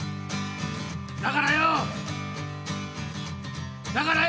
だからよだからよ